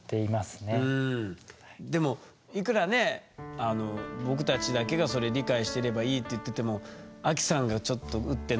でもいくらね僕たちだけがそれ理解してればいいって言っててもアキさんがちょっとウッってなってたらやっぱ気遣うでしょ？